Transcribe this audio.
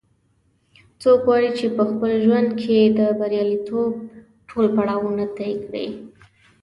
څوک غواړي چې په خپل ژوند کې د بریالیتوب ټول پړاوونه طې کړي